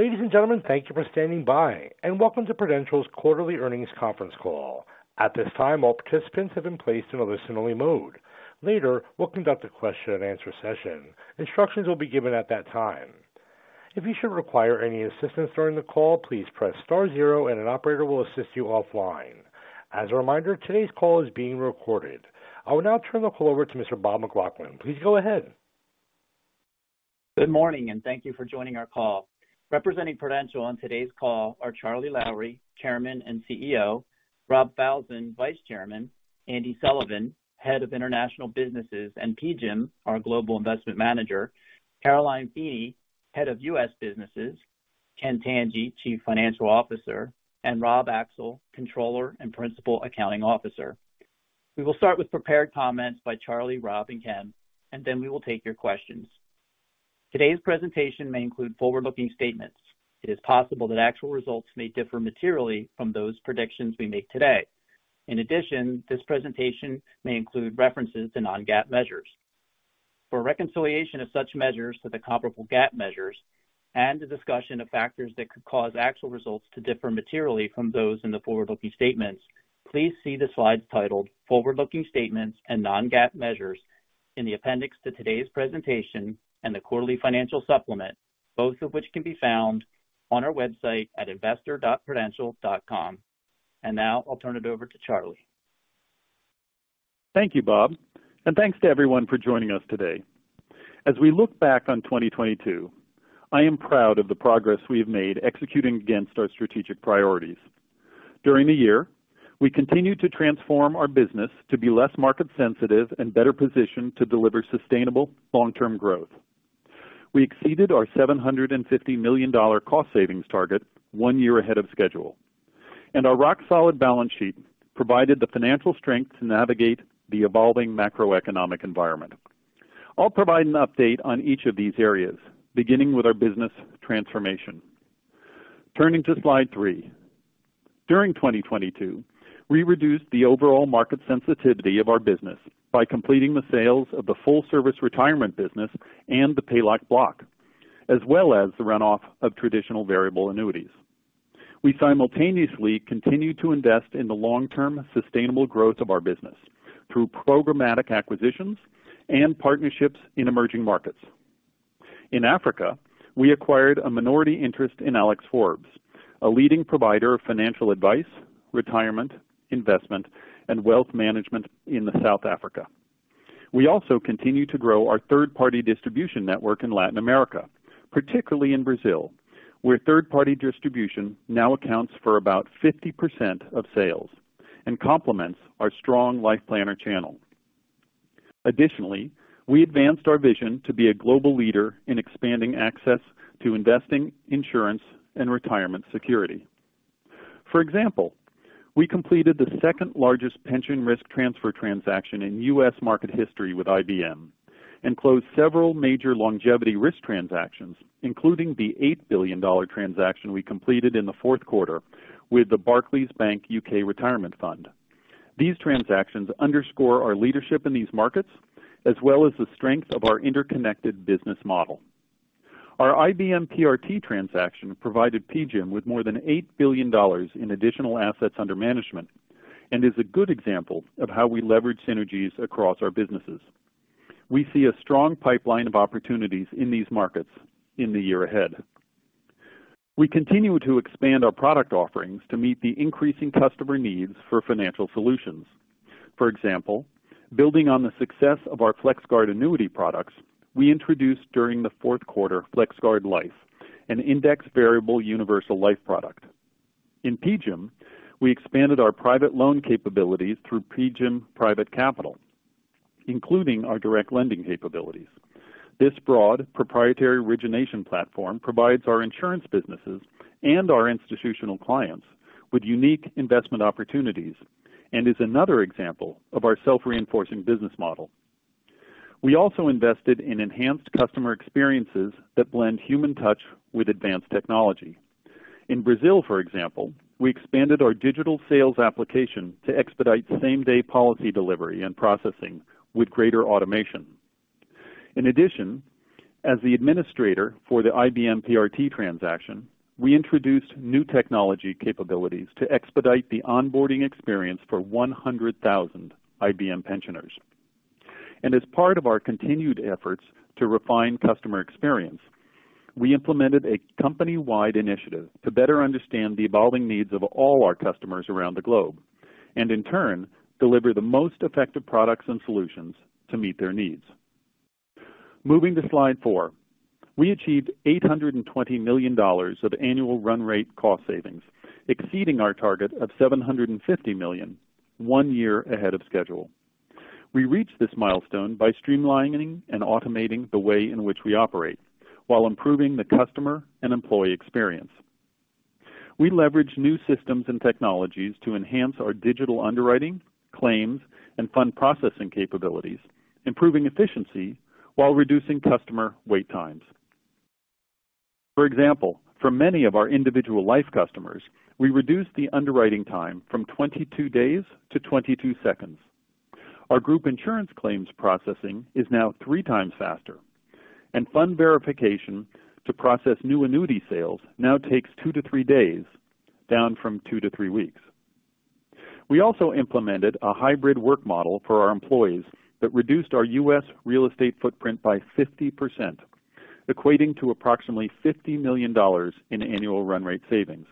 Ladies and gentlemen, thank you for standing by, and welcome to Prudential's quarterly earnings conference call. At this time, all participants have been placed in a listen-only mode. Later, we'll conduct a question-and-answer session. Instructions will be given at that time. If you should require any assistance during the call, please press star zero and an operator will assist you offline. As a reminder, today's call is being recorded. I will now turn the call over to Mr. Bob McLaughlin. Please go ahead. Good morning, thank you for joining our call. Representing Prudential on today's call are Charlie Lowrey, Chairman and CEO, Robert Falzon, Vice Chairman, Andy Sullivan, Head of International Businesses and PGIM, our global investment manager, Caroline Feeney, Head of U.S. Businesses, Ken Tanji, Chief Financial Officer, and Rob Axel, Controller and Principal Accounting Officer. We will start with prepared comments by Charlie, Rob, and Ken, and then we will take your questions. Today's presentation may include forward-looking statements. It is possible that actual results may differ materially from those predictions we make today. In addition, this presentation may include references to non-GAAP measures. For a reconciliation of such measures to the comparable GAAP measures and a discussion of factors that could cause actual results to differ materially from those in the forward-looking statements, please see the slides titled Forward-Looking Statements and Non-GAAP Measures in the appendix to today's presentation and the quarterly financial supplement, both of which can be found on our website at investor.prudential.com. Now I'll turn it over to Charlie. Thank you, Bob, thanks to everyone for joining us today. As we look back on 2022, I am proud of the progress we have made executing against our strategic priorities. During the year, we continued to transform our business to be less market sensitive and better positioned to deliver sustainable long-term growth. We exceeded our $750 million cost savings target one year ahead of schedule. Our rock-solid balance sheet provided the financial strength to navigate the evolving macroeconomic environment. I'll provide an update on each of these areas, beginning with our business transformation. Turning to slide three. During 2022, we reduced the overall market sensitivity of our business by completing the sales of the full-service retirement business and the PALAC block, as well as the runoff of traditional variable annuities. We simultaneously continued to invest in the long-term sustainable growth of our business through programmatic acquisitions and partnerships in emerging markets. In Africa, we acquired a minority interest in Alexander Forbes, a leading provider of financial advice, retirement, investment, and wealth management in South Africa. We also continued to grow our third-party distribution network in Latin America, particularly in Brazil, where third-party distribution now accounts for about 50% of sales and complements our strong life planner channel. We advanced our vision to be a global leader in expanding access to investing, insurance, and retirement security. For example, we completed the second-largest pension risk transfer transaction in U.S. market history with IBM and closed several major longevity risk transactions, including the $8 billion transaction we completed in the fourth quarter with the Barclays Bank U.K. Retirement Fund. These transactions underscore our leadership in these markets, as well as the strength of our interconnected business model. Our IBM PRT transaction provided PGIM with more than $8 billion in additional assets under management and is a good example of how we leverage synergies across our businesses. We see a strong pipeline of opportunities in these markets in the year ahead. We continue to expand our product offerings to meet the increasing customer needs for financial solutions. For example, building on the success of our FlexGuard annuity products, we introduced during the fourth quarter FlexGuard Life, an index variable universal life product. In PGIM, we expanded our private loan capabilities through PGIM Private Capital, including our direct lending capabilities. This broad proprietary origination platform provides our insurance businesses and our institutional clients with unique investment opportunities and is another example of our self-reinforcing business model. We also invested in enhanced customer experiences that blend human touch with advanced technology. In Brazil, for example, we expanded our digital sales application to expedite same-day policy delivery and processing with greater automation. As the administrator for the IBM PRT transaction, we introduced new technology capabilities to expedite the onboarding experience for 100,000 IBM pensioners. As part of our continued efforts to refine customer experience, we implemented a company-wide initiative to better understand the evolving needs of all our customers around the globe and, in turn, deliver the most effective products and solutions to meet their needs. Moving to slide four. We achieved $820 million of annual run rate cost savings, exceeding our target of $750 million one year ahead of schedule. We reached this milestone by streamlining and automating the way in which we operate while improving the customer and employee experience. We leveraged new systems and technologies to enhance our digital underwriting, claims, and fund processing capabilities, improving efficiency while reducing customer wait times. For example, for many of our individual life customers, we reduced the underwriting time from 22 days to 22 seconds. Our group insurance claims processing is now three times faster, and fund verification to process new annuity sales now takes two to three days, down from two to three weeks. We also implemented a hybrid work model for our employees that reduced our U.S. real estate footprint by 50%, equating to approximately $50 million in annual run rate savings.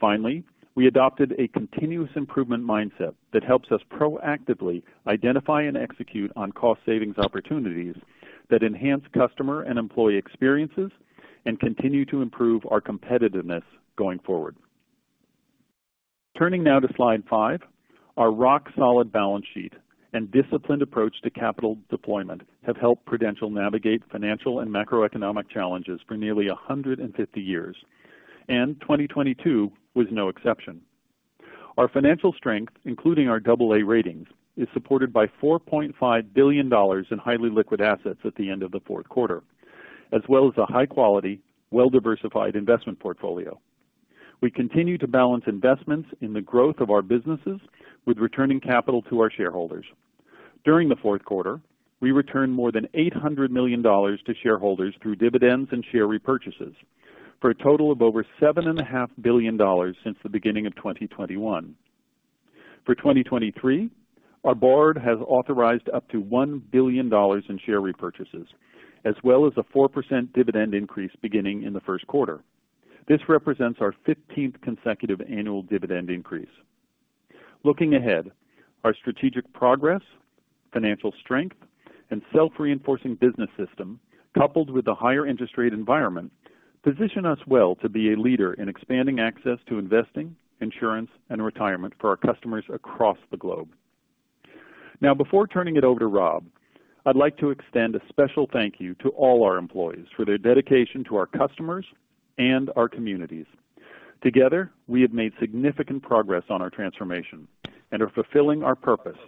Finally, we adopted a continuous improvement mindset that helps us proactively identify and execute on cost savings opportunities that enhance customer and employee experiences and continue to improve our competitiveness going forward. Turning now to slide five. Our rock solid balance sheet and disciplined approach to capital deployment have helped Prudential navigate financial and macroeconomic challenges for nearly 150 years, 2022 was no exception. Our financial strength, including our double A ratings, is supported by $4.5 billion in highly liquid assets at the end of the fourth quarter, as well as a high quality, well diversified investment portfolio. We continue to balance investments in the growth of our businesses with returning capital to our shareholders. During the fourth quarter, we returned more than $800 million to shareholders through dividends and share repurchases for a total of over $7.5 billion since the beginning of 2021. For 2023, our board has authorized up to $1 billion in share repurchases as well as a 4% dividend increase beginning in the first quarter. This represents our 15th consecutive annual dividend increase. Looking ahead, our strategic progress, financial strength and self-reinforcing business system, coupled with a higher interest rate environment, position us well to be a leader in expanding access to investing, insurance and retirement for our customers across the globe. Before turning it over to Rob, I'd like to extend a special thank you to all our employees for their dedication to our customers and our communities. Together, we have made significant progress on our transformation and are fulfilling our purpose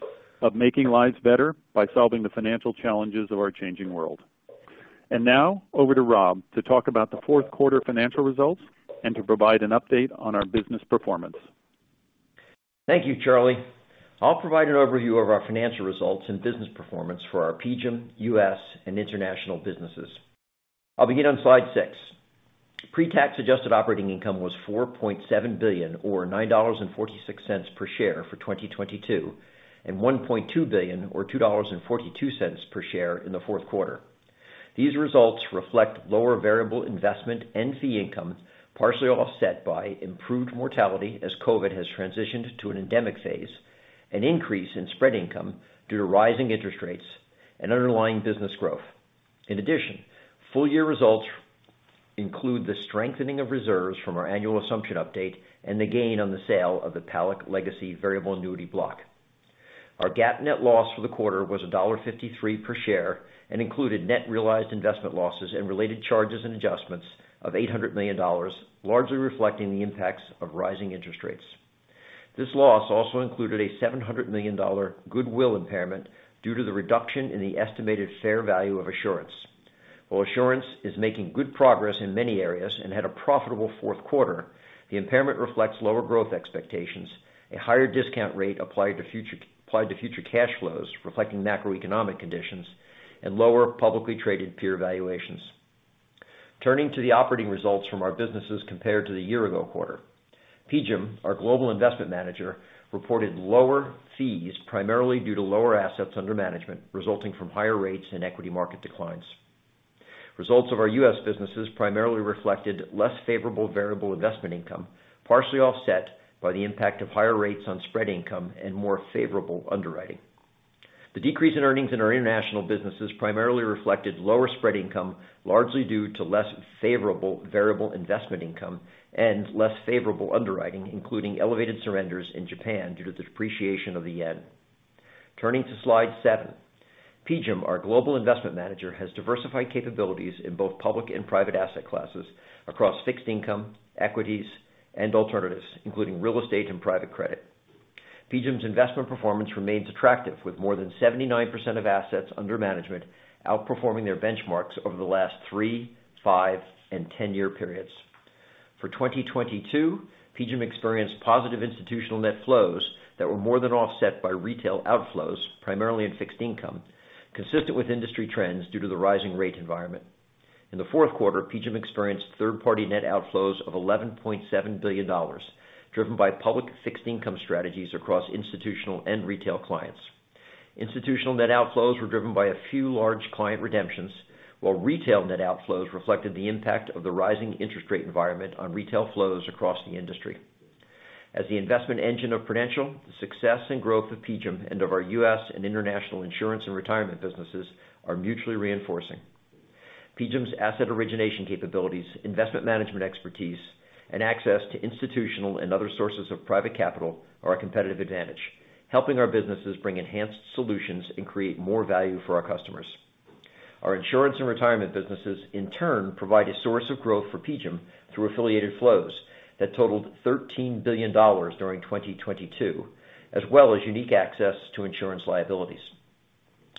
of making lives better by solving the financial challenges of our changing world. Now over to Rob to talk about the fourth quarter financial results and to provide an update on our business performance. Thank you, Charlie. I'll provide an overview of our financial results and business performance for our PGIM U.S. and international businesses. I'll begin on slide six. Pre-tax adjusted operating income was $4.7 billion, or $9.46 per share for 2022 and $1.2 billion or $2.42 per share in the fourth quarter. These results reflect lower variable investment and fee income, partially offset by improved mortality as COVID has transitioned to an endemic phase, an increase in spread income due to rising interest rates and underlying business growth. In addition, full year results include the strengthening of reserves from our annual assumption update and the gain on the sale of the PALAC Legacy variable annuity block. Our GAAP net loss for the quarter was $1.53 per share and included net realized investment losses and related charges and adjustments of $800 million, largely reflecting the impacts of rising interest rates. This loss also included a $700 million goodwill impairment due to the reduction in the estimated fair value of Assurance. While Assurance is making good progress in many areas and had a profitable fourth quarter, the impairment reflects lower growth expectations, a higher discount rate applied to future cash flows reflecting macroeconomic conditions and lower publicly traded peer valuations. Turning to the operating results from our businesses compared to the year ago quarter. PGIM, our global investment manager, reported lower fees primarily due to lower assets under management resulting from higher rates and equity market declines. Results of our U.S. businesses primarily reflected less favorable variable investment income, partially offset by the impact of higher rates on spread income and more favorable underwriting. The decrease in earnings in our international businesses primarily reflected lower spread income, largely due to less favorable variable investment income and less favorable underwriting, including elevated surrenders in Japan due to the depreciation of the yen. Turning to slide seven. PGIM, our global investment manager, has diversified capabilities in both public and private asset classes across fixed income, equities and alternatives, including real estate and private credit. PGIM's investment performance remains attractive with more than 79% of assets under management outperforming their benchmark over the last three, five and 10 year periods. For 2022, PGIM experienced positive institutional net flows that were more than offset by retail outflows primarily in fixed income, consistent with industry trends due to the rising rate environment. In the fourth quarter, PGIM experienced third party net outflows of $11.7 billion, driven by public fixed income strategies across institutional and retail clients. Institutional net outflows were driven by a few large client redemptions, while retail net outflows reflected the impact of the rising interest rate environment on retail flows across the industry. As the investment engine of Prudential, the success and growth of PGIM and of our U.S. and international insurance and retirement businesses are mutually reinforcing. PGIM's asset origination capabilities, investment management expertise and access to institutional and other sources of private capital are a competitive advantage, helping our businesses bring enhanced solutions and create more value for our customers. Our insurance and retirement businesses, in turn, provide a source of growth for PGIM through affiliated flows that totaled $13 billion during 2022, as well as unique access to insurance liabilities.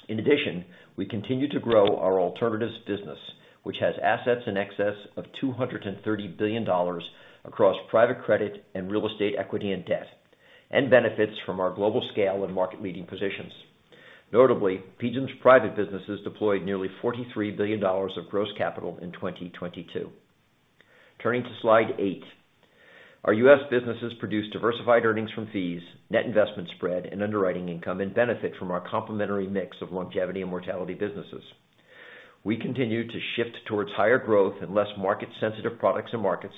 In addition, we continue to grow our alternatives business, which has assets in excess of $230 billion across private credit and real estate equity and debt, and benefits from our global scale and market-leading positions. Notably, PGIM's private businesses deployed nearly $43 billion of gross capital in 2022. Turning to slide eight. Our U.S. businesses produce diversified earnings from fees, net investment spread, and underwriting income, and benefit from our complementary mix of longevity and mortality businesses. We continue to shift towards higher growth and less market-sensitive products and markets,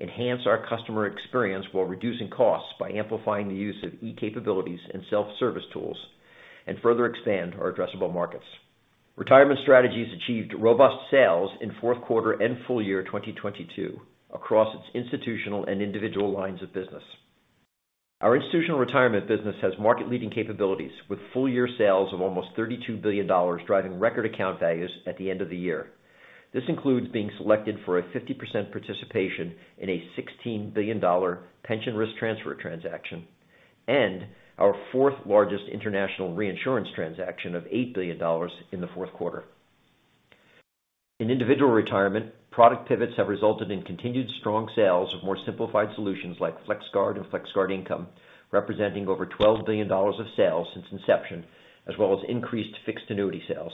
enhance our customer experience while reducing costs by amplifying the use of e-capabilities and self-service tools, and further expand our addressable markets. Retirement strategies achieved robust sales in fourth quarter and full year 2022 across its institutional and individual lines of business. Our institutional retirement business has market-leading capabilities, with full-year sales of almost $32 billion, driving record account values at the end of the year. This includes being selected for a 50% participation in a $16 billion pension risk transfer transaction and our fourth largest international reinsurance transaction of $8 billion in the fourth quarter. In individual retirement, product pivots have resulted in continued strong sales of more simplified solutions like FlexGuard and FlexGuard Income, representing over $12 billion of sales since inception, as well as increased fixed annuity sales.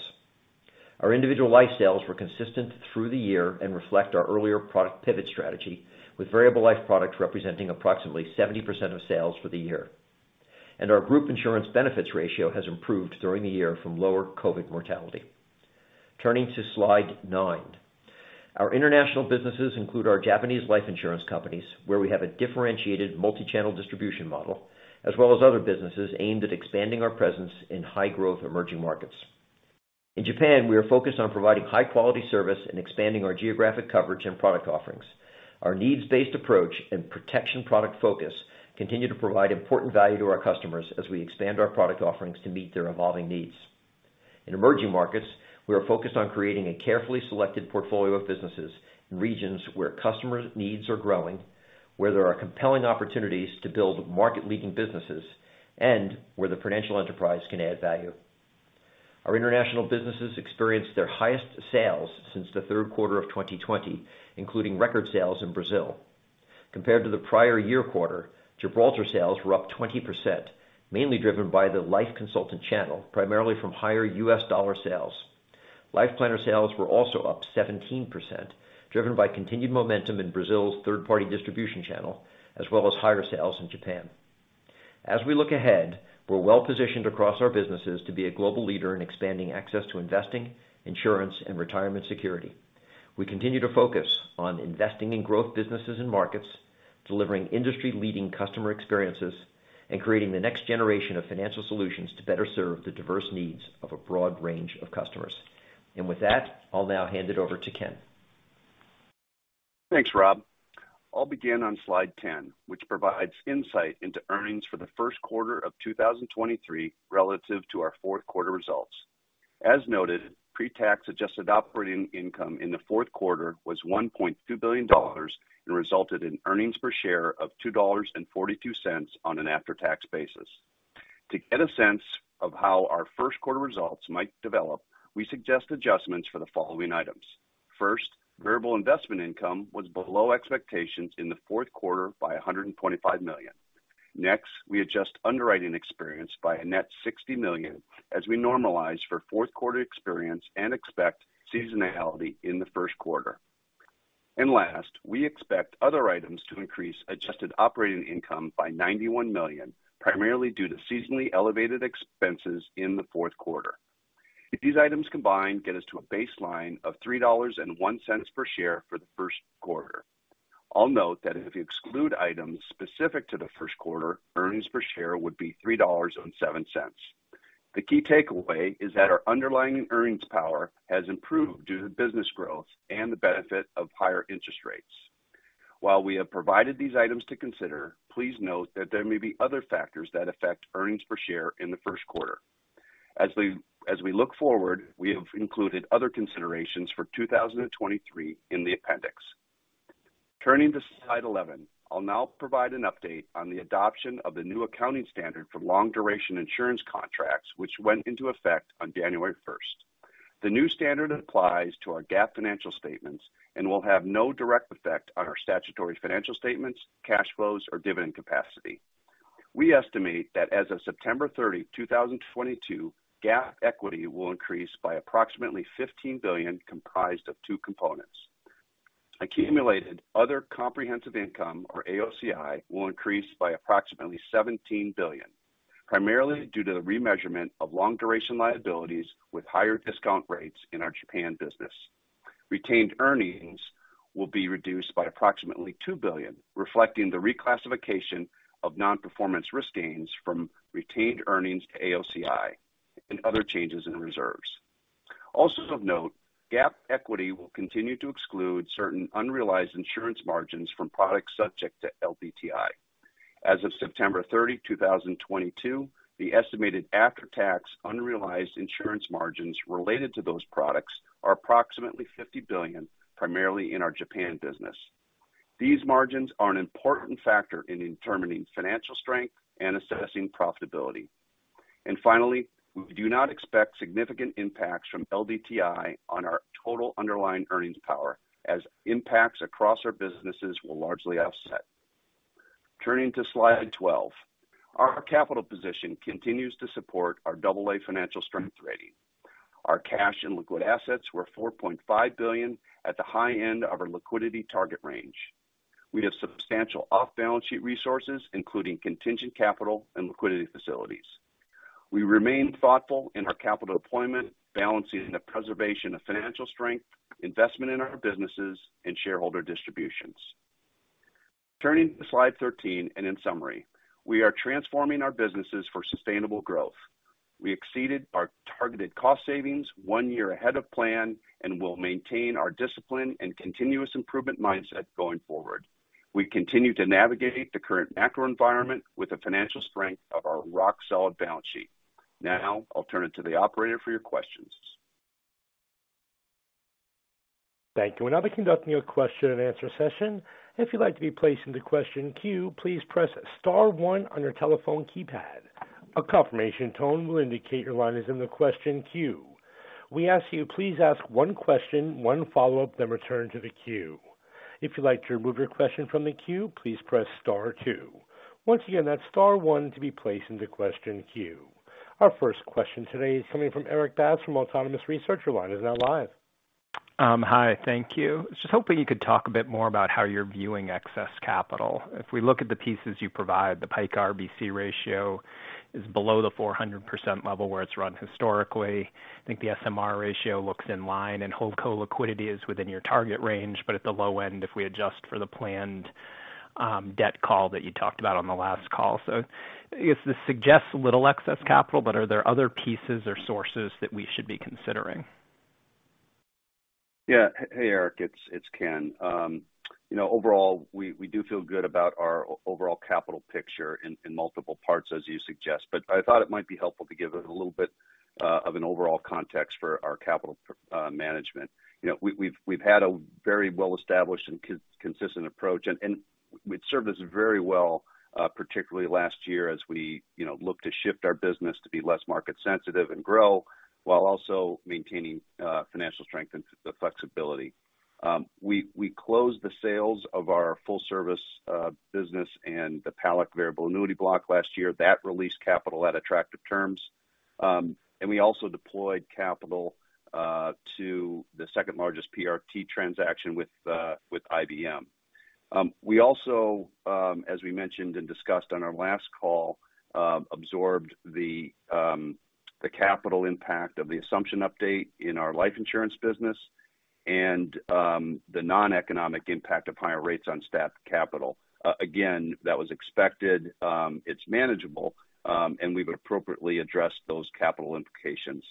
Our individual life sales were consistent through the year and reflect our earlier product pivot strategy, with variable life product representing approximately 70% of sales for the year. Our group insurance benefits ratio has improved during the year from lower COVID mortality. Turning to slide nine. Our international businesses include our Japanese life insurance companies, where we have a differentiated multi-channel distribution model, as well as other businesses aimed at expanding our presence in high-growth emerging markets. In Japan, we are focused on providing high-quality service and expanding our geographic coverage and product offerings. Our needs-based approach and protection product focus continue to provide important value to our customers as we expand our product offerings to meet their evolving needs. In emerging markets, we are focused on creating a carefully selected portfolio of businesses in regions where customers' needs are growing, where there are compelling opportunities to build market-leading businesses, and where the Prudential enterprise can add value. Our international businesses experienced their highest sales since the third quarter of 2020, including record sales in Brazil. Compared to the prior year quarter, Gibraltar sales were up 20%, mainly driven by the life consultant channel, primarily from higher U.S. dollar sales. Life planner sales were also up 17%, driven by continued momentum in Brazil's third-party distribution channel, as well as higher sales in Japan. As we look ahead, we're well-positioned across our businesses to be a global leader in expanding access to investing, insurance, and retirement security. We continue to focus on investing in growth businesses and markets, delivering industry-leading customer experiences, and creating the next generation of financial solutions to better serve the diverse needs of a broad range of customers. With that, I'll now hand it over to Ken. Thanks, Rob. I'll begin on slide 10, which provides insight into earnings for the first quarter of 2023 relative to our fourth quarter results. As noted, pre-tax adjusted operating income in the fourth quarter was $1.2 billion and resulted in earnings per share of $2.42 on an after-tax basis. To get a sense of how our first quarter results might develop, we suggest adjustments for the following items. First, variable investment income was below expectations in the fourth quarter by $125 million. Next, we adjust underwriting experience by a net $60 million as we normalize for fourth quarter experience and expect seasonality in the first quarter. Last, we expect other items to increase adjusted operating income by $91 million, primarily due to seasonally elevated expenses in the fourth quarter. If these items combined get us to a baseline of $3.01 per share for the first quarter, I'll note that if you exclude items specific to the first quarter, earnings per share would be $3.07. The key takeaway is that our underlying earnings power has improved due to business growth and the benefit of higher interest rates. We have provided these items to consider, please note that there may be other factors that affect earnings per share in the first quarter. As we look forward, we have included other considerations for 2023 in the appendix. Turning to slide 11. I'll now provide an update on the adoption of the new accounting standard for long duration insurance contracts, which went into effect on January first. The new standard applies to our GAAP financial statements and will have no direct effect on our statutory financial statements, cash flows, or dividend capacity. We estimate that as of September 30, 2022, GAAP equity will increase by approximately $15 billion, comprised of two components. Accumulated other comprehensive income, or AOCI, will increase by approximately $17 billion, primarily due to the remeasurement of long-duration liabilities with higher discount rates in our Japan business. Retained earnings will be reduced by approximately $2 billion, reflecting the reclassification of nonperformance risk gains from retained earnings to AOCI and other changes in reserves. Also of note, GAAP equity will continue to exclude certain unrealized insurance margins from products subject to LDTI. As of September 30, 2022, the estimated after-tax unrealized insurance margins related to those products are approximately $50 billion, primarily in our Japan business. These margins are an important factor in determining financial strength and assessing profitability. Finally, we do not expect significant impacts from LDTI on our total underlying earnings power as impacts across our businesses will largely offset. Turning to slide 12. Our capital position continues to support our AA financial strength rating. Our cash and liquid assets were $4.5 billion at the high end of our liquidity target range. We have substantial off-balance sheet resources, including contingent capital and liquidity facilities. We remain thoughtful in our capital deployment, balancing the preservation of financial strength, investment in our businesses and shareholder distributions. Turning to slide 13. In summary, we are transforming our businesses for sustainable growth. We exceeded our targeted cost savings one year ahead of plan and will maintain our discipline and continuous improvement mindset going forward. We continue to navigate the current macro environment with the financial strength of our rock-solid balance sheet. I'll turn it to the operator for your questions. Thank you. We're now conducting a question-and-answer session. If you'd like to be placed into question queue, please press star one on your telephone keypad. A confirmation tone will indicate your line is in the question queue. We ask you please ask one question, one follow-up, then return to the queue. If you'd like to remove your question from the queue, please press star two. Once again, that's star one to be placed into question queue. Our first question today is coming from Erik Bass from Autonomous Research. Your line is now live. Hi. Thank you. Just hoping you could talk a bit more about how you're viewing excess capital. If we look at the pieces you provide, the PICA RBC ratio is below the 400% level where it's run historically. I think the SMR ratio looks in line, and Holdco liquidity is within your target range, but at the low end, if we adjust for the planned debt call that you talked about on the last call. I guess this suggests a little excess capital, but are there other pieces or sources that we should be considering? Yeah. Hey, Erik, it's Ken. You know, overall, we do feel good about our overall capital picture in multiple parts, as you suggest. I thought it might be helpful to give a little bit of an overall context for our capital management. You know, we've had a very well-established and consistent approach, and it served us very well, particularly last year as we, you know, looked to shift our business to be less market sensitive and grow while also maintaining financial strength and the flexibility. We closed the sales of our full service business and the PALAC variable annuity block last year. That released capital at attractive terms. We also deployed capital to the second-largest PRT transaction with IBM. We also, as we mentioned and discussed on our last call, absorbed the capital impact of the assumption update in our life insurance business and the noneconomic impact of higher rates on staff capital. Again, that was expected. It's manageable, and we've appropriately addressed those capital implications.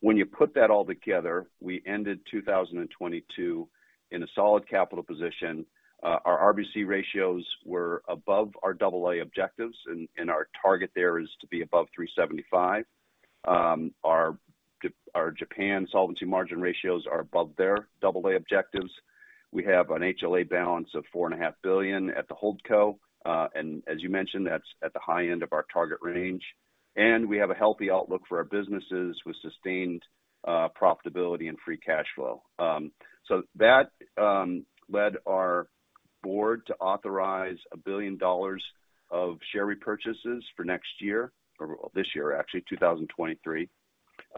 When you put that all together, we ended 2022 in a solid capital position. Our RBC ratios were above our AA objectives, and our target there is to be above 375. Our Japan solvency margin ratios are above their AA objectives. We have an HLA balance of $4.5 billion at the Holdco. As you mentioned, that's at the high end of our target range. We have a healthy outlook for our businesses with sustained profitability and free cash flow. That led our Board to authorize $1 billion of share repurchases for next year or, well, this year, actually, 2023.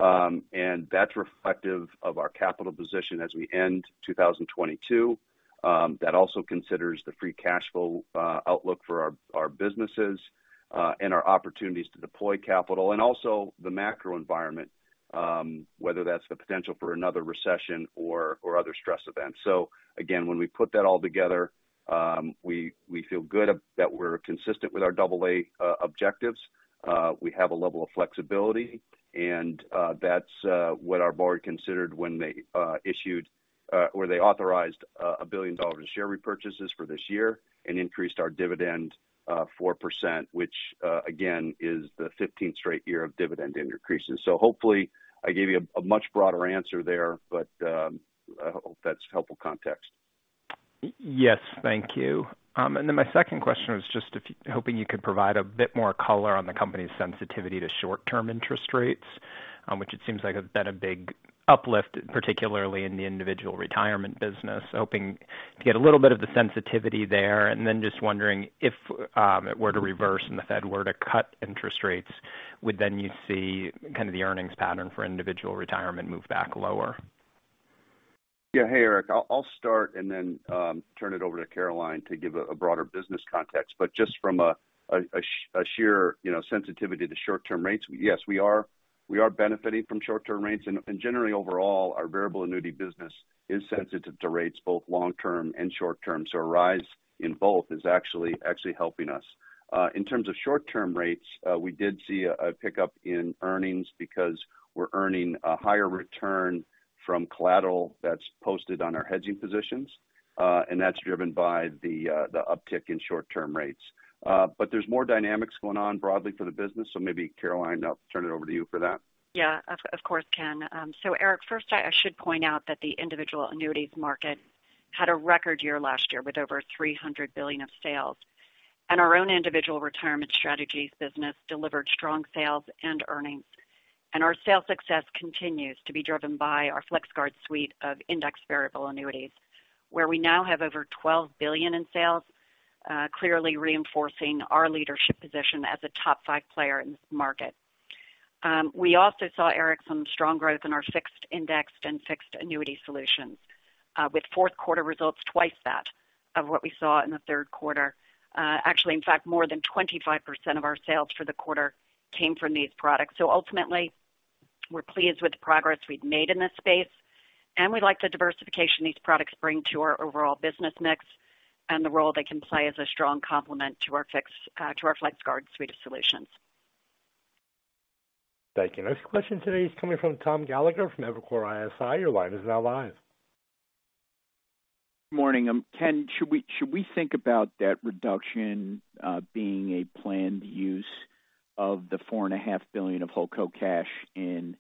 That's reflective of our capital position as we end 2022. That also considers the free cash flow outlook for our businesses, and our opportunities to deploy capital and also the macro environment, whether that's the potential for another recession or other stress events. Again, when we put that all together, we feel good that we're consistent with our AA objectives. We have a level of flexibility, and that's what our board considered when they issued or authorized $1 billion in share repurchases for this year and increased our dividend 4%, which again, is the 15th straight year of dividend increases. Hopefully I gave you a much broader answer there, but I hope that's helpful context. Yes. Thank you. My second question was just if hoping you could provide a bit more color on the company's sensitivity to short-term interest rates, which it seems like has been a big uplift, particularly in the individual retirement business. Hoping to get a little bit of the sensitivity there. Just wondering if it were to reverse and the Fed were to cut interest rates, would then you see kind of the earnings pattern for individual retirement move back lower? Yeah. Hey, Erik. I'll start and then turn it over to Caroline to give a broader business context, but just from a sheer, you know, sensitivity to short-term rates, yes, we are benefiting from short-term rates. Generally, overall, our variable annuity business is sensitive to rates both long-term and short-term. A rise in both is actually helping us. In terms of short-term rates, we did see a pickup in earnings because we're earning a higher return from collateral that's posted on our hedging positions, and that's driven by the uptick in short-term rates. There's more dynamics going on broadly for the business. Maybe Caroline, I'll turn it over to you for that. Yeah. Of course, Ken. Erik Bass, first I should point out that the individual annuities market had a record year last year with over $300 billion of sales. Our own individual retirement strategies business delivered strong sales and earnings. Our sales success continues to be driven by our FlexGuard suite of indexed variable annuities, where we now have over $12 billion in sales, clearly reinforcing our leadership position as a top five player in this market. We also saw, Erik Bass, some strong growth in our fixed indexed and fixed annuity solutions, with Q4 results twice that of what we saw in Q3. Actually, in fact, more than 25% of our sales for the quarter came from these products. Ultimately, we're pleased with the progress we've made in this space, and we like the diversification these products bring to our overall business mix and the role they can play as a strong complement to our FlexGuard suite of solutions. Thank you. Next question today is coming from Tom Gallagher from Evercore ISI. Your line is now live. Morning. Ken, should we think about debt reduction, being a planned use of the $4.5 billion of Holdco cash in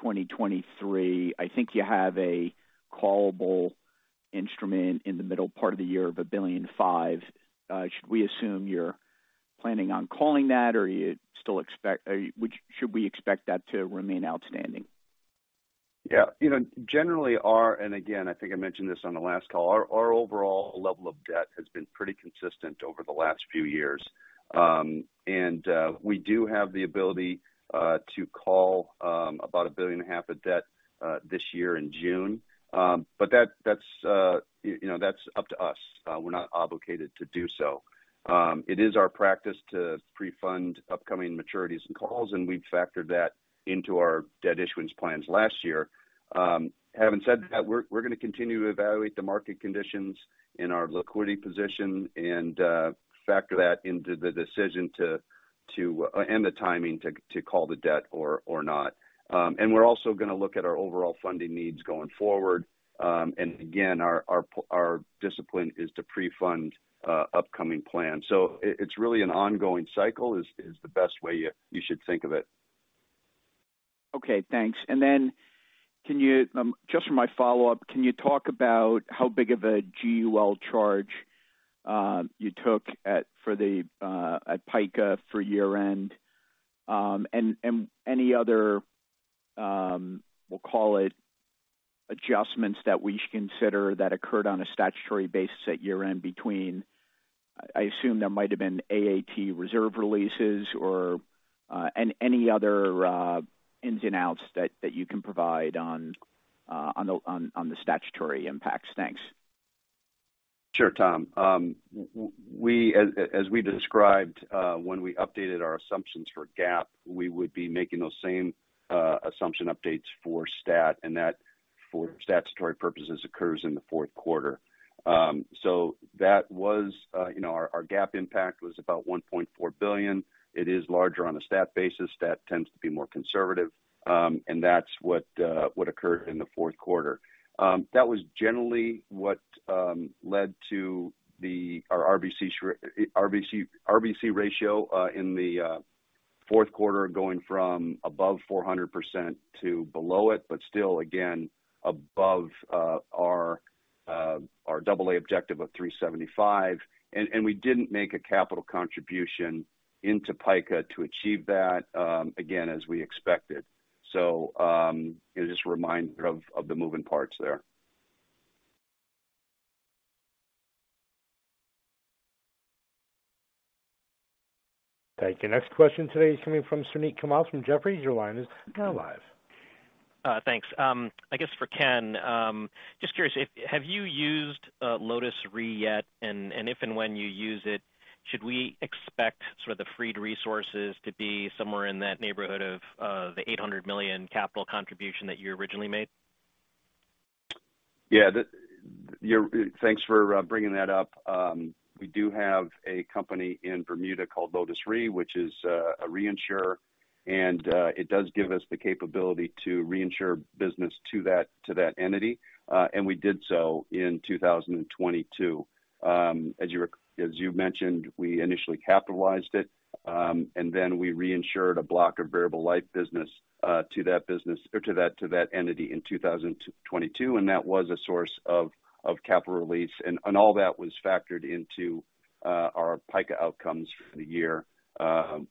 2023? I think you have a callable instrument in the middle part of the year of $1.5 billion. Should we assume you're planning on calling that, or should we expect that to remain outstanding? Yeah. You know, generally, I think I mentioned this on the last call. Our overall level of debt has been pretty consistent over the last few years. We do have the ability to call about $1.5 billion of debt this year in June. That's, you know, that's up to us. We're not obligated to do so. It is our practice to pre-fund upcoming maturities and calls, we've factored that into our debt issuance plans last year. Having said that, we're going to continue to evaluate the market conditions in our liquidity position and factor that into the decision. The timing to call the debt or not. We're also going to look at our overall funding needs going forward. Again, our discipline is to pre-fund, upcoming plans. It's really an ongoing cycle is the best way you should think of it. Okay, thanks. Can you, just for my follow-up, can you talk about how big of a GUL charge you took at, for the, at PICA for year-end? Any other, we'll call it adjustments that we should consider that occurred on a statutory basis at year-end between, I assume there might have been AAT reserve releases or, any other ins and outs that you can provide on the statutory impacts? Thanks. Sure, Tom. as we described, when we updated our assumptions for GAAP, we would be making those same assumption updates for stat, and that for statutory purposes occurs in the fourth quarter. so that was, you know, our GAAP impact was about $1.4 billion. It is larger on a stat basis. Stat tends to be more conservative. and that's what occurred in the fourth quarter. that was generally what led to our RBC ratio in the fourth quarter going from above 400% to below it, but still, again, above our double A objective of 375. we didn't make a capital contribution into PICA to achieve that, again, as we expected. just a reminder of the moving parts there. Thank you. Next question today is coming from Suneet Kamath from Jefferies. Your line is now live. Thanks. I guess for Ken, just curious, if have you used Lotus Re yet? If and when you use it, should we expect sort of the freed resources to be somewhere in that neighborhood of the $800 million capital contribution that you originally made? Thanks for bringing that up. We do have a company in Bermuda called Lotus Re, which is a reinsurer, and it does give us the capability to reinsure business to that entity. We did so in 2022. As you mentioned, we initially capitalized it, and then we reinsured a block of variable life business to that business or to that entity in 2022, and that was a source of capital release. All that was factored into our PICA outcomes for the year,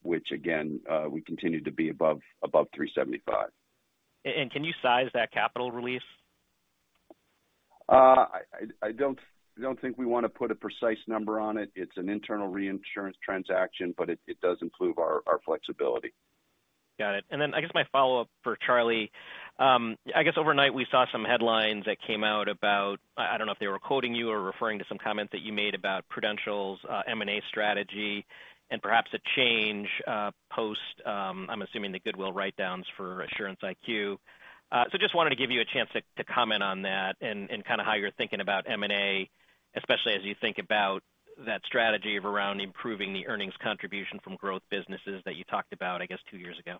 which again, we continue to be above 375. Can you size that capital release? I don't think we want to put a precise number on it. It's an internal reinsurance transaction, but it does improve our flexibility. Got it. I guess my follow-up for Charlie. I guess overnight we saw some headlines that came out about, I don't know if they were quoting you or referring to some comment that you made about Prudential's M&A strategy and perhaps a change post, I'm assuming the goodwill write-downs for Assurance IQ. Just wanted to give you a chance to comment on that and kind of how you're thinking about M&A, especially as you think about that strategy of around improving the earnings contribution from growth businesses that you talked about, I guess, two years ago.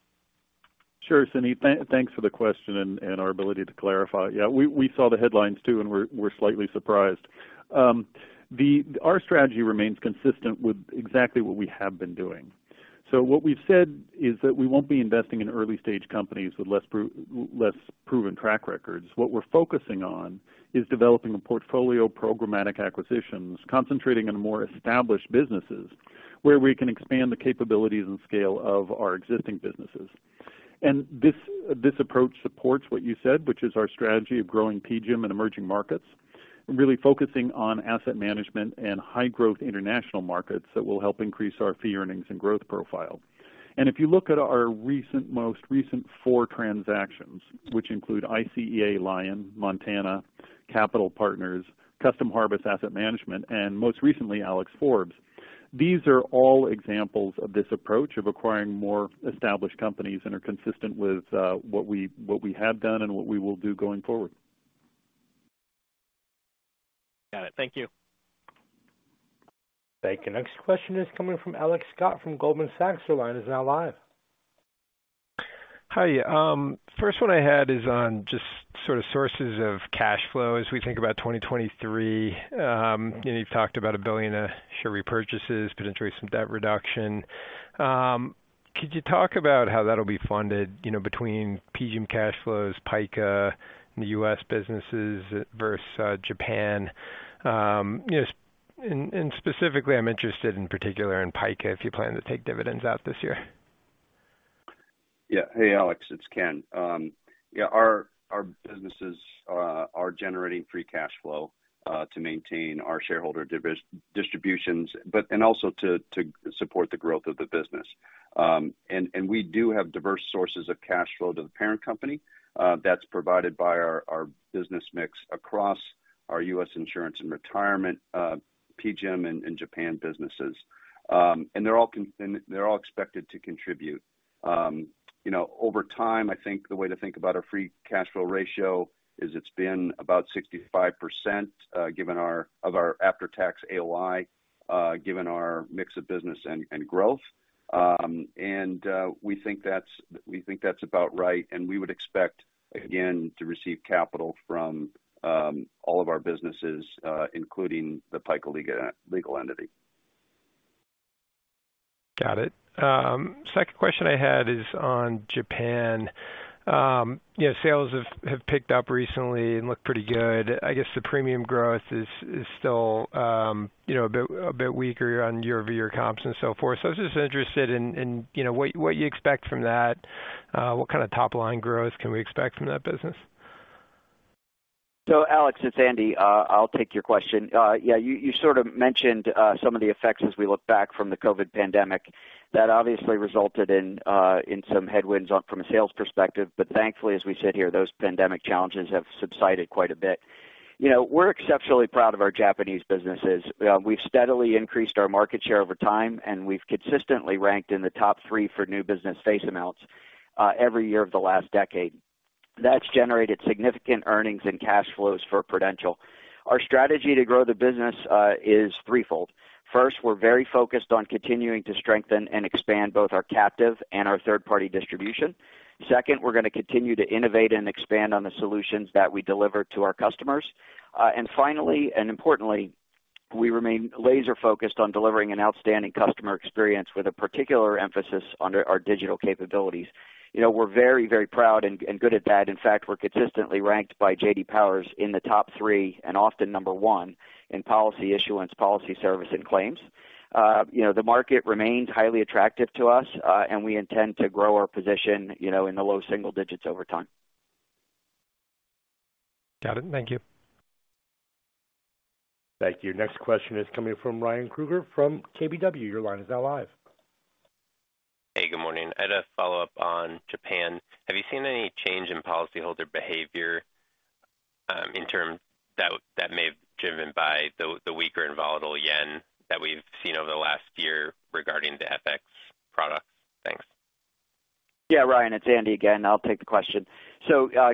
Sure, Suneet. Thanks for the question and our ability to clarify. We saw the headlines too, and we're slightly surprised. Our strategy remains consistent with exactly what we have been doing. What we've said is that we won't be investing in early stage companies with less proven track records. What we're focusing on is developing a portfolio of programmatic acquisitions, concentrating on more established businesses where we can expand the capabilities and scale of our existing businesses. This approach supports what you said, which is our strategy of growing PGIM in emerging markets, really focusing on asset management and high growth international markets that will help increase our fee earnings and growth profile. If you look at our recent, most recent four transactions, which include ICEA LION, Montana Capital Partners, Custom Harvest Asset Management, and most recently, Alexforbes. These are all examples of this approach of acquiring more established companies and are consistent with what we have done and what we will do going forward. Got it. Thank you. Thank you. Next question is coming from Alex Scott from Goldman Sachs. Your line is now live. Hi. first one I had is on just sort of sources of cash flow as we think about 2023. You've talked about $1 billion share repurchases, potential recent debt reduction. Could you talk about how that'll be funded, you know, between PGIM cash flows, PICA, and the U.S. businesses versus Japan? You know, and specifically, I'm interested in particular in PICA, if you plan to take dividends out this year? Hey, Alex, it's Ken. Our businesses are generating free cash flow to maintain our shareholder distributions, also to support the growth of the business. We do have diverse sources of cash flow to the parent company that's provided by our business mix across our U.S. insurance and retirement, PGIM and Japan businesses. They're all expected to contribute. You know, over time, I think the way to think about our free cash flow ratio is it's been about 65% of our after-tax AOI, given our mix of business and growth. We think that's about right. We would expect, again, to receive capital from all of our businesses, including the PICA legal entity. Got it. Second question I had is on Japan. You know, sales have picked up recently and look pretty good. I guess the premium growth is still, you know, a bit weaker on year-over-year comps and so forth. I was just interested in, you know, what you expect from that. What kind of top-line growth can we expect from that business? Alex, it's Andy. I'll take your question. Yeah, you sort of mentioned some of the effects as we look back from the COVID pandemic. That obviously resulted in some headwinds on from a sales perspective. Thankfully, as we sit here, those pandemic challenges have subsided quite a bit. You know, we're exceptionally proud of our Japanese businesses. We've steadily increased our market share over time, and we've consistently ranked in the top three for new business face amounts every year of the last decade. That's generated significant earnings and cash flows for Prudential. Our strategy to grow the business is threefold. First, we're very focused on continuing to strengthen and expand both our captive and our third-party distribution. Second, we're going to continue to innovate and expand on the solutions that we deliver to our customers. Finally, and importantly, we remain laser-focused on delivering an outstanding customer experience with a particular emphasis on our digital capabilities. You know, we're very proud and good at that. In fact, we're consistently ranked by J.D. Power in the top three, and often number one in policy issuance, policy service, and claims. You know, the market remains highly attractive to us. We intend to grow our position, you know, in the low single digits over time. Got it. Thank you. Thank you. Next question is coming from Ryan Krueger from KBW. Your line is now live. Hey, good morning. I had a follow-up on Japan. Have you seen any change in policyholder behavior, in terms that may have driven by the weaker and volatile yen that we've seen over the last year regarding the FX products? Thanks. Yeah. Ryan, it's Andy again. I'll take the question.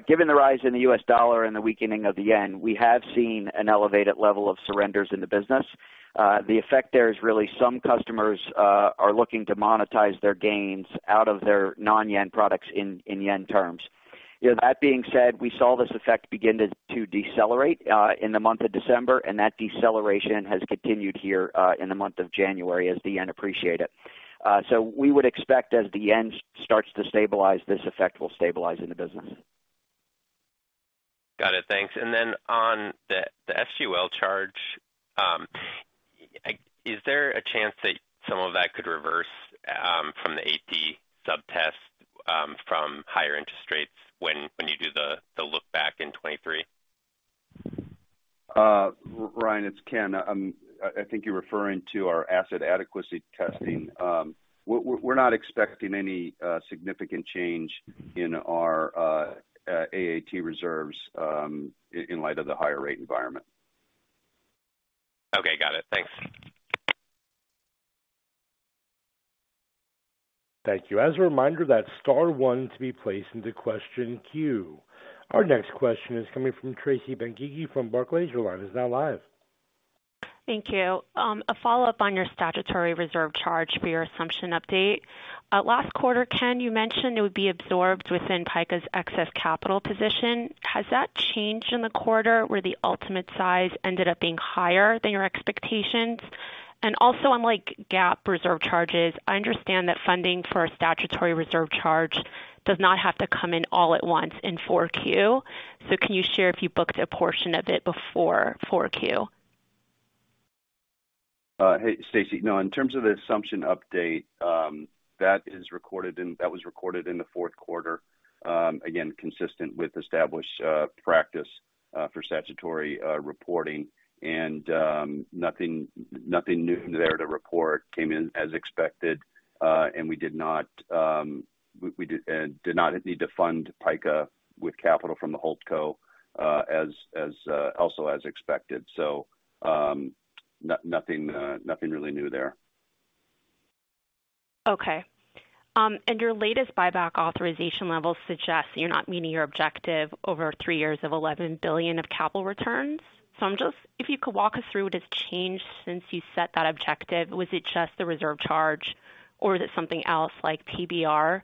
Given the rise in the U.S. dollar and the weakening of the yen, we have seen an elevated level of surrenders in the business. The effect there is really some customers are looking to monetize their gains out of their non-yen products in yen terms. You know, that being said, we saw this effect begin to decelerate in the month of December, that deceleration has continued here in the month of January as the yen appreciated. We would expect as the yen starts to stabilize, this effect will stabilize in the business. Got it. Thanks. Then on the SUL charge, is there a chance that some of that could reverse from the AAT sub-test, from higher interest rates when you do the look back in 2023? Ryan, it's Ken. I think you're referring to our asset adequacy testing. We're not expecting any significant change in our AAT reserves in light of the higher rate environment. Okay. Got it. Thanks. Thank you. As a reminder, that's star one to be placed into question queue. Our next question is coming from Tracy Benguigui from Barclays. Your line is now live. Thank you. A follow-up on your statutory reserve charge for your assumption update. Last quarter, Ken, you mentioned it would be absorbed within PICA's excess capital position. Has that changed in the quarter where the ultimate size ended up being higher than your expectations? Unlike GAAP reserve charges, I understand that funding for a statutory reserve charge does not have to come in all at once in four Q. Can you share if you booked a portion of it before four Q? Hey, Tracy. No, in terms of the assumption update, that was recorded in the fourth quarter, again, consistent with established practice for statutory reporting. Nothing, nothing new there to report. Came in as expected, and we did not need to fund PICA with capital from the Holdco, as also as expected. Nothing, nothing really new there. Okay. Your latest buyback authorization levels suggest that you're not meeting your objective over three years of $11 billion of capital returns. If you could walk us through what has changed since you set that objective? Was it just the reserve charge or was it something else like PBR?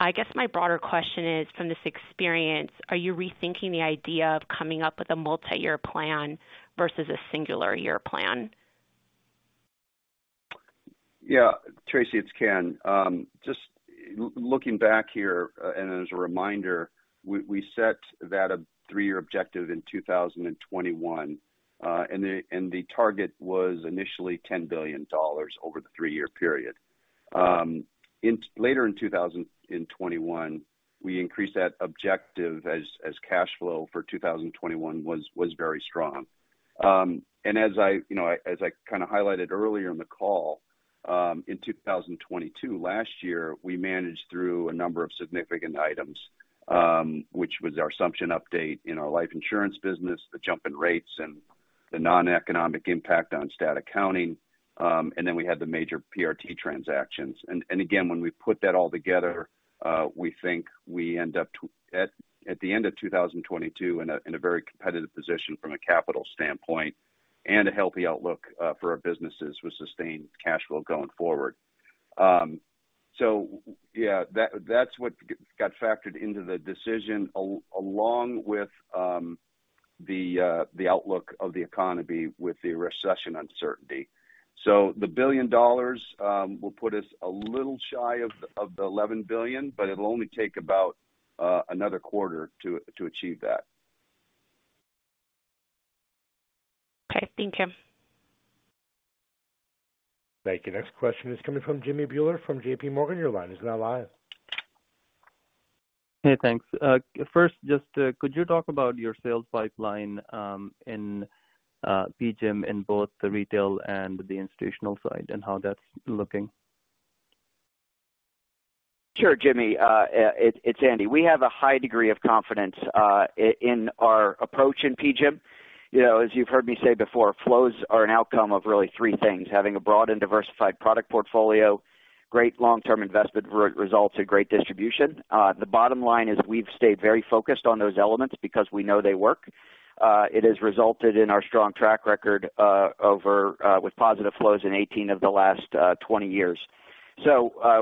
I guess my broader question is, from this experience, are you rethinking the idea of coming up with a multi-year plan versus a singular year plan? Yeah. Tracy, it's Ken. Just looking back here, as a reminder, we set that three-year objective in 2021, the target was initially $10 billion over the three-year period. Later in 2021, we increased that objective as cash flow for 2021 was very strong. As I, you know, kind of highlighted earlier in the call, in 2022, last year, we managed through a number of significant items, which was our assumption update in our life insurance business, the jump in rates and the noneconomic impact on stat accounting. We had the major PRT transactions. Again, when we put that all together, we think we end up at the end of 2022 in a very competitive position from a capital standpoint and a healthy outlook for our businesses with sustained cash flow going forward. Yeah, that's what got factored into the decision along with the outlook of the economy with the recession uncertainty. The $1 billion will put us a little shy of the $11 billion, but it'll only take about another quarter to achieve that. Okay. Thank you. Thank you. Next question is coming from Jimmy Bhullar from JPMorgan. Your line is now live. Hey, thanks. First, just, could you talk about your sales pipeline, in PGIM in both the retail and the institutional side, and how that's looking? Sure, Jimmy. It's Andy. We have a high degree of confidence in our approach in PGIM. You know, as you've heard me say before, flows are an outcome of really three things: having a broad and diversified product portfolio, great long-term investment results, and great distribution. The bottom line is we've stayed very focused on those elements because we know they work. It has resulted in our strong track record over with positive flows in 18 of the last 20 years.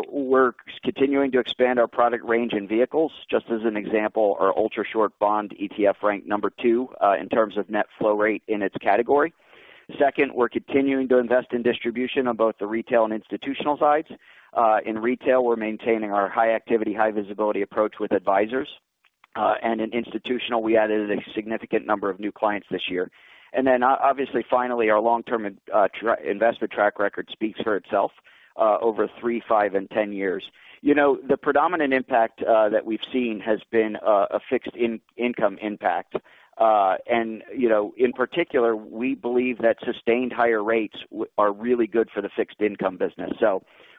We're continuing to expand our product range in vehicles. Just as an example, our Ultra Short Bond ETF ranked number two in terms of net flow rate in its category. Second, we're continuing to invest in distribution on both the retail and institutional sides. In retail, we're maintaining our high activity, high visibility approach with advisors. In institutional, we added a significant number of new clients this year. Obviously, finally, our long-term investor track record speaks for itself, over three, five, and 10 years. You know, the predominant impact that we've seen has been a fixed income impact. You know, in particular, we believe that sustained higher rates are really good for the fixed income business.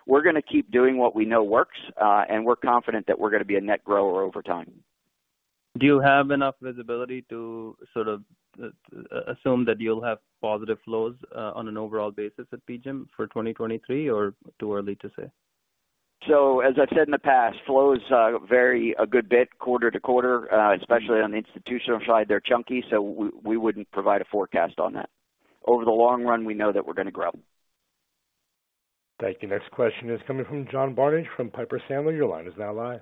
We're going to keep doing what we know works, and we're confident that we're going to be a net grower over time. Do you have enough visibility to sort of assume that you'll have positive flows, on an overall basis at PGIM for 2023, or too early to say? As I've said in the past, flows, vary a good bit quarter to quarter, especially on the institutional side, they're chunky, so we wouldn't provide a forecast on that. Over the long run, we know that we're going to grow. Thank you. Next question is coming from John Barnidge from Piper Sandler. Your line is now live.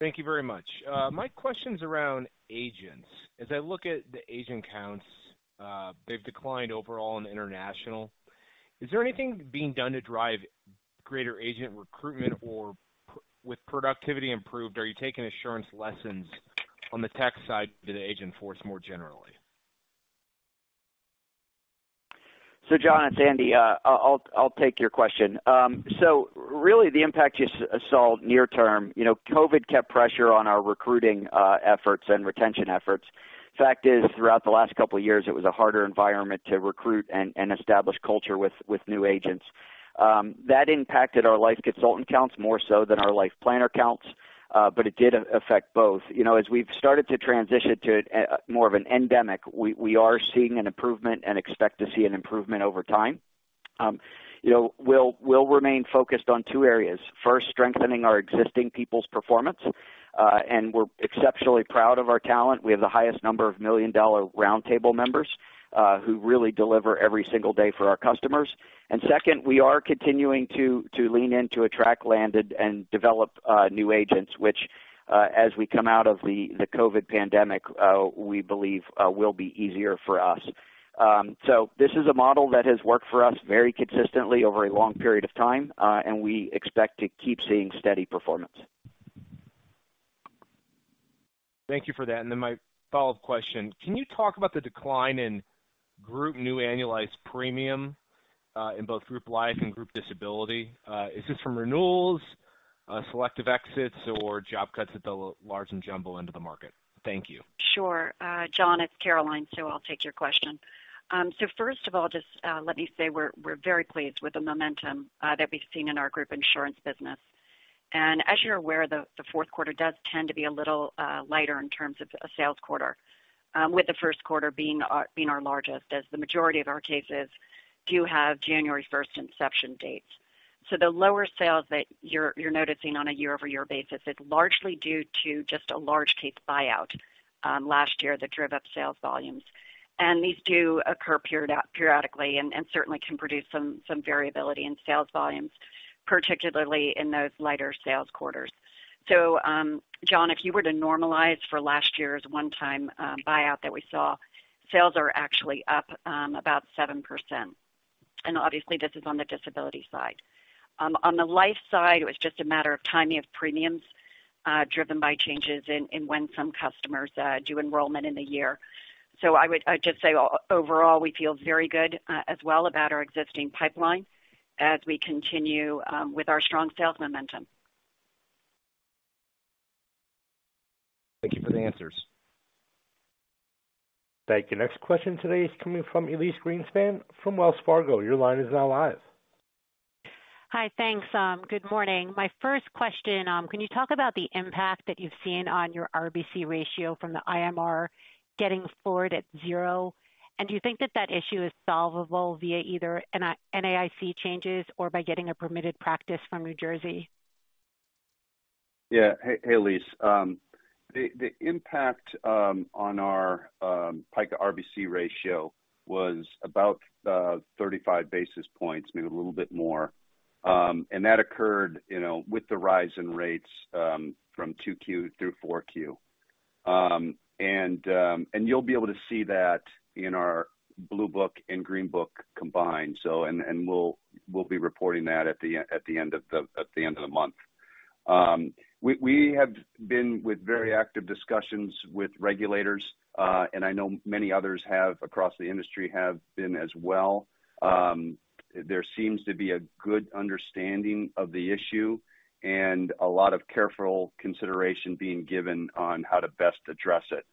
Thank you very much. My question's around agents. As I look at the agent counts, they've declined overall in international. Is there anything being done to drive greater agent recruitment? Or with productivity improved, are you taking Assurance lessons on the tech side to the agent force more generally? John, it's Andy. I'll take your question. Really the impact you saw near term, you know, COVID kept pressure on our recruiting efforts and retention efforts. Fact is, throughout the last couple of years, it was a harder environment to recruit and establish culture with new agents. That impacted our life consultant counts more so than our life planner counts. It did affect both. You know, as we've started to transition to more of an endemic, we are seeing an improvement and expect to see an improvement over time. You know, we'll remain focused on two areas. First, strengthening our existing people's performance. We're exceptionally proud of our talent. We have the highest number of Million Dollar Round Table members. Who really deliver every single day for our customers. Second, we are continuing to lean in to attract, land, and develop new agents, which, as we come out of the COVID pandemic, we believe will be easier for us. This is a model that has worked for us very consistently over a long period of time, and we expect to keep seeing steady performance. Thank you for that. My follow-up question? Can you talk about the decline in group new annualized premium, in both group life and group disability? Is this from renewals, selective exits or job cuts at the large and jumbo end of the market? Thank you. Sure. John, it's Caroline, I'll take your question. First of all, just let me say we're very pleased with the momentum that we've seen in our group insurance business. As you're aware, the fourth quarter does tend to be a little lighter in terms of a sales quarter, with the first quarter being our largest, as the majority of our cases do have January 1st inception dates. The lower sales that you're noticing on a year-over-year basis is largely due to just a large case buyout last year that drove up sales volumes. These do occur periodically and certainly can produce some variability in sales volumes, particularly in those lighter sales quarters. John, if you were to normalize for last year's one-time buyout that we saw, sales are actually up about 7%. Obviously this is on the disability side. On the life side, it was just a matter of timing of premiums, driven by changes in when some customers do enrollment in the year. I'd just say overall, we feel very good as well about our existing pipeline as we continue with our strong sales momentum. Thank you for the answers. Thank you. Next question today is coming from Elyse Greenspan from Wells Fargo. Your line is now live. Hi. Thanks. Good morning. My first question, can you talk about the impact that you've seen on your RBC ratio from the IMR getting forward at zero? Do you think that that issue is solvable via either an, NAIC changes or by getting a permitted practice from New Jersey? Yeah. Hey, hey, Elyse. The impact on our PICA RBC ratio was about 35 basis points, maybe a little bit more. That occurred, you know, with the rise in rates from two Q through four Q. You'll be able to see that in our blue book and green book combined. We'll be reporting that at the end of the month. We have been with very active discussions with regulators, and I know many others have across the industry have been as well. There seems to be a good understanding of the issue and a lot of careful consideration being given on how to best address it.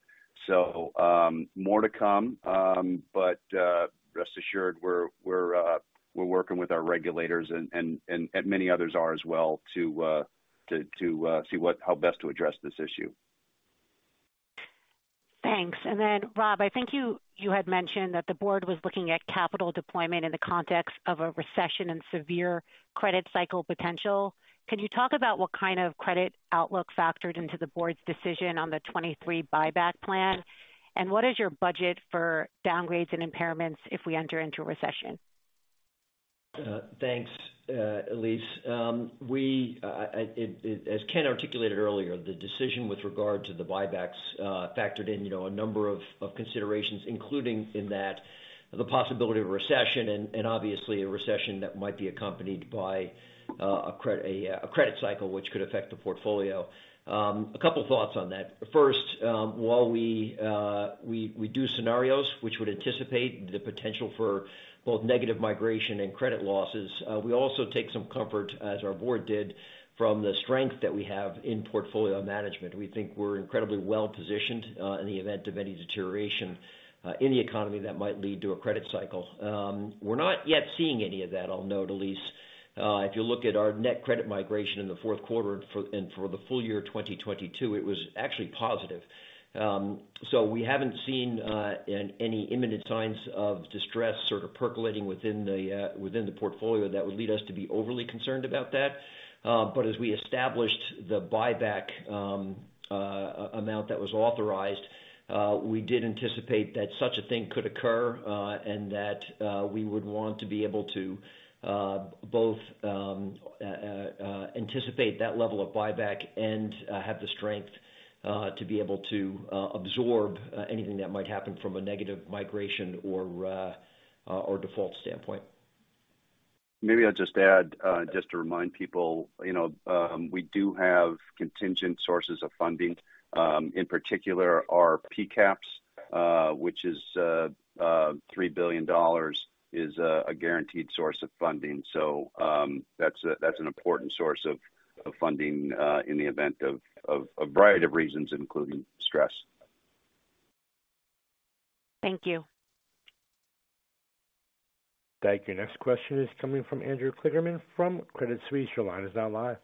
More to come, but rest assured we're working with our regulators and many others are as well to see how best to address this issue. Thanks. Rob, I think you had mentioned that the Board was looking at capital deployment in the context of a recession and severe credit cycle potential. Can you talk about what kind of credit outlook factored into the board's decision on the 23 buyback plan? What is your budget for downgrades and impairments if we enter into a recession? Thanks, Elyse. We, as Ken articulated earlier, the decision with regard to the buybacks, factored in, you know, a number of considerations, including in that the possibility of a recession and obviously a recession that might be accompanied by a credit cycle which could affect the portfolio. A couple thoughts on that. First, while we do scenarios which would anticipate the potential for both negative migration and credit losses, we also take some comfort, as our board did, from the strength that we have in portfolio management. We think we're incredibly well-positioned, in the event of any deterioration in the economy that might lead to a credit cycle. We're not yet seeing any of that, I'll note, Elyse. If you look at our net credit migration in the fourth quarter for, and for the full year 2022, it was actually positive. So we haven't seen any imminent signs of distress sort of percolating within the within the portfolio that would lead us to be overly concerned about that. But as we established the buyback amount that was authorized, we did anticipate that such a thing could occur, and that we would want to be able to both anticipate that level of buyback and have the strength to be able to absorb anything that might happen from a negative migration or or default standpoint. Maybe I'll just add, just to remind people, you know, we do have contingent sources of funding. In particular our PCAPS, which is $3 billion, is a guaranteed source of funding. That's an important source of funding in the event of a variety of reasons, including stress. Thank you. Thank you. Next question is coming from Andrew Kligerman from Credit Suisse. Your line is now live.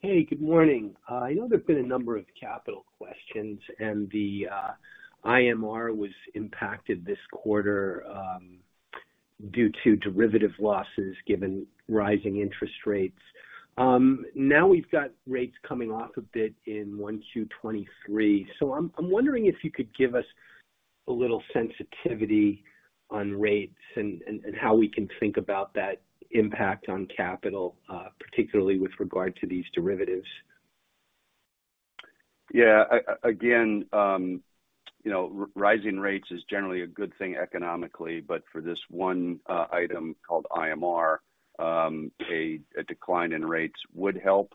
Hey, good morning. I know there have been a number of capital questions, and the IMR was impacted this quarter. Due to derivative losses given rising interest rates. Now we've got rates coming off a bit in 1Q 2023. I'm wondering if you could give us a little sensitivity on rates and how we can think about that impact on capital, particularly with regard to these derivatives. Yeah. Again, you know, rising rates is generally a good thing economically. For this one item called IMR, a decline in rates would help.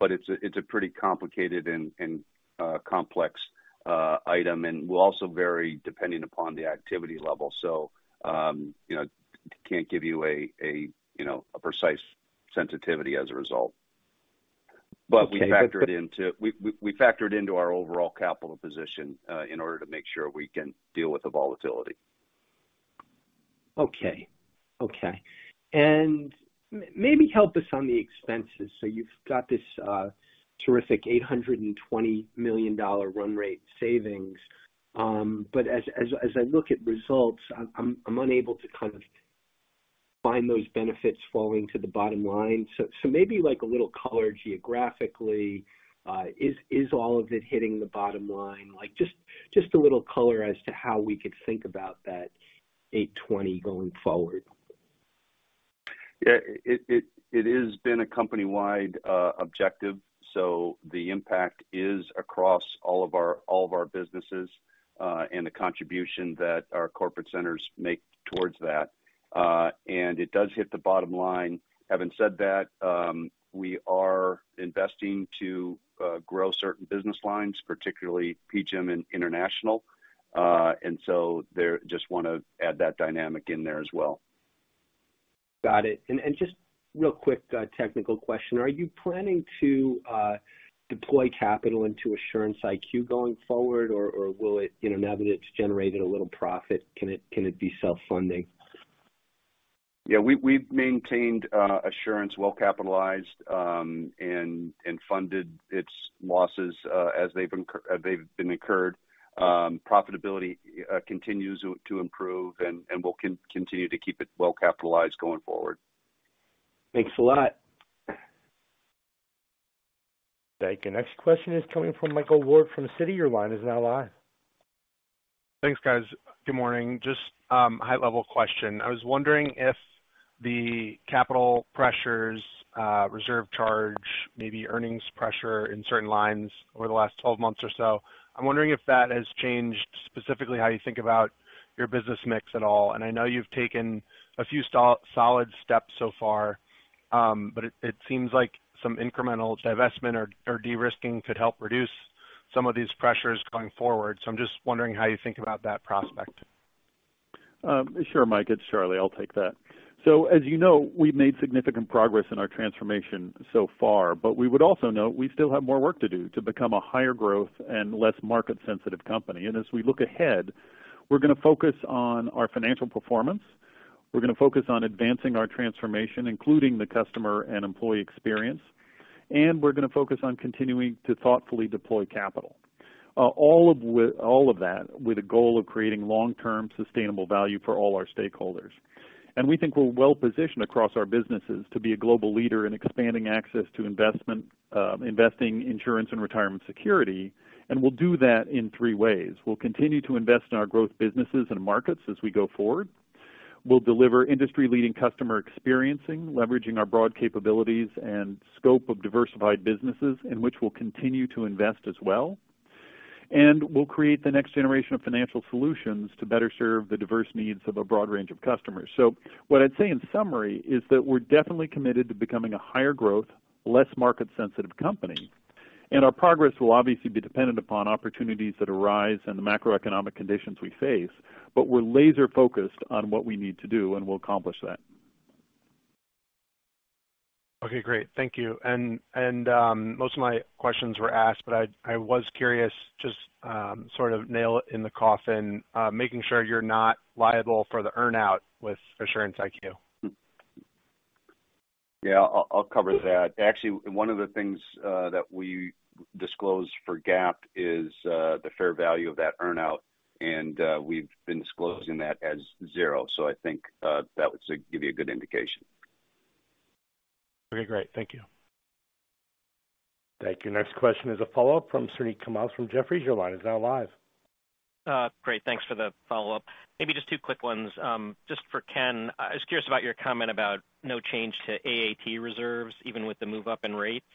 It's a pretty complicated and complex item, and will also vary depending upon the activity level. You know, can't give you a precise sensitivity as a result. Okay. We factor it into our overall capital position, in order to make sure we can deal with the volatility. Okay. Okay. Maybe help us on the expenses? You've got this terrific $820 million run rate savings. But as I look at results, I'm unable to kind of find those benefits falling to the bottom line. Maybe like a little color geographically, is all of it hitting the bottom line? Like, just a little color as to how we could think about that $820 going forward? Yeah. It is been a company-wide objective, so the impact is across all of our, all of our businesses, and the contribution that our corporate centers make towards that. It does hit the bottom line. Having said that, we are investing to grow certain business lines, particularly PGIM and International. There just wanna add that dynamic in there as well. Got it. Just real quick, technical question. Are you planning to deploy capital into Assurance IQ going forward, or will it, you know, now that it's generated a little profit, can it be self-funding? Yeah. We've maintained Assurance well capitalized, and funded its losses as they've been incurred. Profitability continues to improve, and we'll continue to keep it well capitalized going forward. Thanks a lot. Thank you. Next question is coming from Michael Ward from Citi. Your line is now live. Thanks, guys. Good morning. Just high level question? I was wondering if the capital pressures, reserve charge, maybe earnings pressure in certain lines over the last 12 months or so, I'm wondering if that has changed specifically how you think about your business mix at all? I know you've taken a few solid steps so far, but it seems like some incremental divestment or de-risking could help reduce some of these pressures going forward. I'm just wondering how you think about that prospect? Sure, Mike. It's Charlie. I'll take that. As you know, we've made significant progress in our transformation so far, but we would also note we still have more work to do to become a higher growth and less market sensitive company. As we look ahead, we're gonna focus on our financial performance. We're gonna focus on advancing our transformation, including the customer and employee experience. We're gonna focus on continuing to thoughtfully deploy capital, all of that with a goal of creating long-term sustainable value for all our stakeholders. We think we're well-positioned across our businesses to be a global leader in expanding access to investing insurance and retirement security, and we'll do that in three ways. We'll continue to invest in our growth businesses and markets as we go forward. We'll deliver industry-leading customer experiencing, leveraging our broad capabilities and scope of diversified businesses, in which we'll continue to invest as well. We'll create the next generation of financial solutions to better serve the diverse needs of a broad range of customers. What I'd say, in summary, is that we're definitely committed to becoming a higher growth, less market sensitive company, and our progress will obviously be dependent upon opportunities that arise and the macroeconomic conditions we face, but we're laser focused on what we need to do, and we'll accomplish that. Okay, great. Thank you. Most of my questions were asked, but I was curious, just, sort of nail it in the coffin, making sure you're not liable for the earn-out with Assurance IQ? Yeah. I'll cover that. Actually, one of the things that we disclose for GAAP is the fair value of that earn-out, and we've been disclosing that as zero. I think that would give you a good indication. Okay, great. Thank you. Thank you. Next question is a follow-up from Suneet Kamath from Jefferies. Your line is now live. Great, thanks for the follow-up. Maybe just two quick ones. Just for Ken, I was curious about your comment about no change to AAT reserves, even with the move up in rates.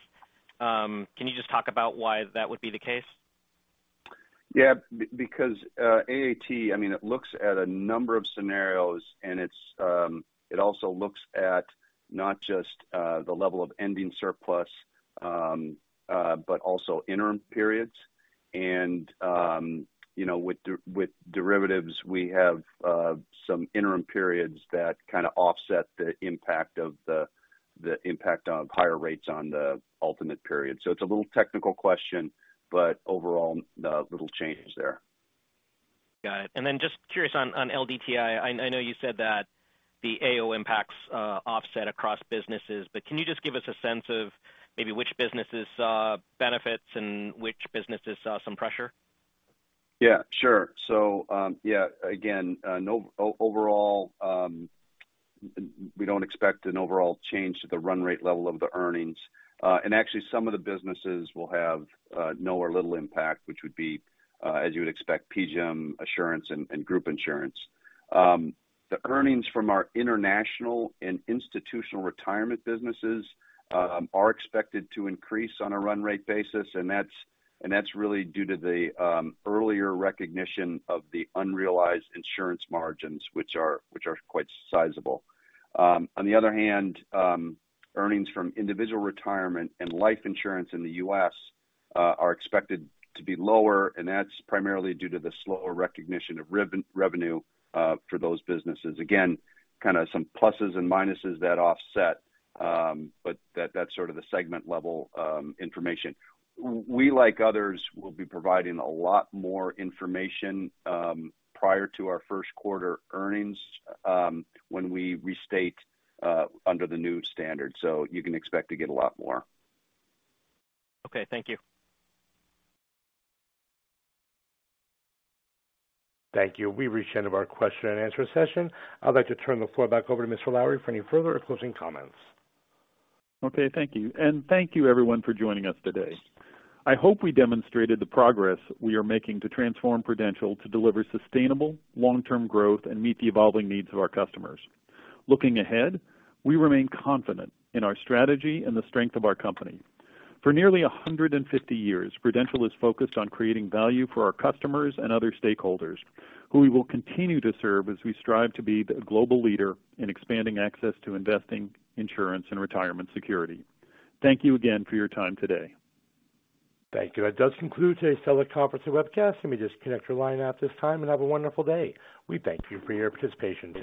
Can you just talk about why that would be the case? Yeah. Because AAT, I mean, it looks at a number of scenarios, and it's, it also looks at not just the level of ending surplus, but also interim periods. You know, with derivatives, we have some interim periods that kinda offset the impact of higher rates on the ultimate period. It's a little technical question, but overall, little change there. Got it. Just curious on LDTI. I know you said that the AO impacts offset across businesses, but can you just give us a sense of maybe which businesses benefits and which businesses some pressure? Yeah, sure. Again, overall, we don't expect an overall change to the run rate level of the earnings. Actually some of the businesses will have no or little impact, which would be, as you would expect, PGIM Assurance and group insurance. The earnings from our international and institutional retirement businesses are expected to increase on a run rate basis. That's really due to the earlier recognition of the unrealized insurance margins, which are quite sizable. On the other hand, earnings from individual retirement and life insurance in the U.S. are expected to be lower, and that's primarily due to the slower recognition of revenue for those businesses. Again, kinda some pluses and minuses that offset, that's sort of the segment level information. We, like others, will be providing a lot more information, prior to our first quarter earnings, when we restate, under the new standard. You can expect to get a lot more. Okay, thank you. Thank you. We've reached the end of our question and answer session. I'd like to turn the floor back over to Mr. Lowrey for any further closing comments. Okay, thank you. Thank you everyone for joining us today. I hope we demonstrated the progress we are making to transform Prudential to deliver sustainable long-term growth and meet the evolving needs of our customers. Looking ahead, we remain confident in our strategy and the strength of our company. For nearly 150 years, Prudential is focused on creating value for our customers and other stakeholders who we will continue to serve as we strive to be the global leader in expanding access to investing, insurance, and retirement security. Thank you again for your time today. Thank you. That does conclude today's teleconference and webcast. Let me just connect your line at this time and have a wonderful day. We thank you for your participation today.